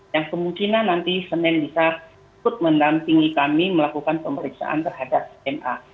yang kemungkinan nanti senin bisa ikut mendampingi kami melakukan pemeriksaan terhadap ma